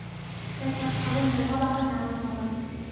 لَتَرْكَبُنَّ طَبَقًا عَنْ طَبَقٍ